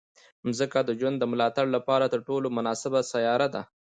مځکه د ژوند د ملاتړ لپاره تر ټولو مناسبه سیاره ده.